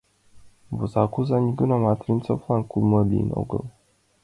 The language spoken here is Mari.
Вакш оза нигунамат Венцовлан кумылзо лийын огыл.